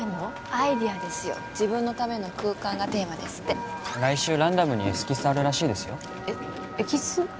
アイデアですよ「自分のための空間」がテーマですって来週ランダムにエスキスあるらしいですよえっエキス？